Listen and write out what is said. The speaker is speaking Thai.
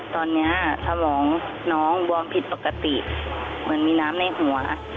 ตอนนี้สมองน้องบวมผิดปกติเหมือนมีน้ำในหัว